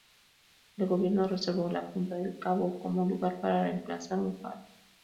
El gobierno reservó la punta del cabo como lugar para emplazar un faro.